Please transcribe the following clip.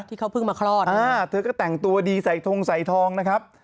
ที่เขาเพิ่งมาคลอดอ่าเธอก็แต่งตัวดีใส่ทงใส่ทองนะครับ